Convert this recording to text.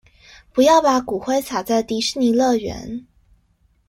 不要把骨灰灑在迪士尼樂園